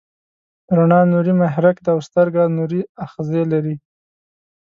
رڼا نوري محرک ده او سترګه نوري آخذې لري.